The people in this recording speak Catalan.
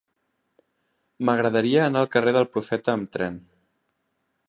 M'agradaria anar al carrer del Profeta amb tren.